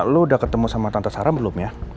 lo udah ketemu sama tante sarah belum ya